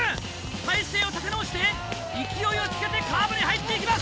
体勢を立て直して勢いをつけてカーブに入っていきます！